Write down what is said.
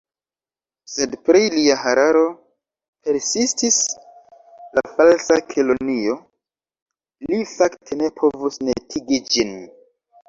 « Sed pri lia hararo," persistis la Falsa Kelonio, "li fakte ne povus netigi ĝin."